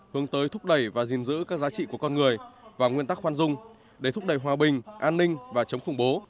hướng tới thúc đẩy và gìn giữ các giá trị của con người và nguyên tắc khoan dung để thúc đẩy hòa bình an ninh và chống khủng bố